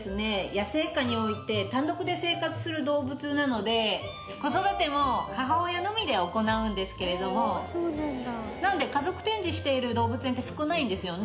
野生下において単独で生活する動物なので子育ても母親のみで行うんですけれどもなので家族展示している動物園って少ないんですよね